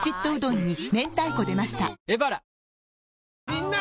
みんな！